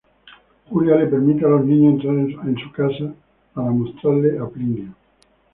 Julia les permite a los niños entrar en su casa para mostrarles a "Plinio".